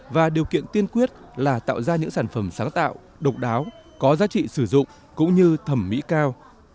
và điều kiện tiên quyết là tạo ra những sản phẩm sáng tạo độc đáo có giá trị sử dụng cũng như thẩm mỹ cao